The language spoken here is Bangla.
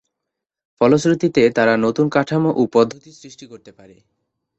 ফলশ্রুতিতে তারা নতুন কাঠামো ও পদ্ধতির সৃষ্টি করতে পারে।